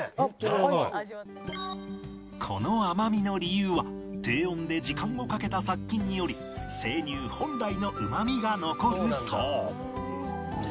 この甘みの理由は低温で時間をかけた殺菌により生乳本来のうまみが残るそう